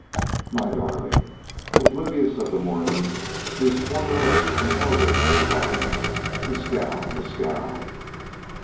"My darling!" Oblivious of the Mormons he swung her up and held her in his arms. "Mescal! Mescal!"